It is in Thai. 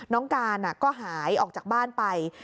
น้องการก็หายออกจากบ้านไป